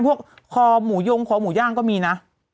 คอหมูยงคอหมูย่างก็มีนะ